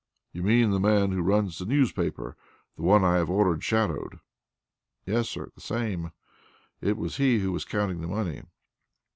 You mean the man who runs the newspaper the one I have ordered shadowed." "Yes, sir; the same. It was he who was counting the money."